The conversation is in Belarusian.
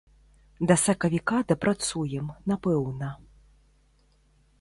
Да сакавіка дапрацуем, напэўна.